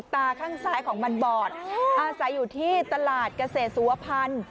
ตาข้างซ้ายของมันบอดอาศัยอยู่ที่ตลาดเกษตรสุวพันธ์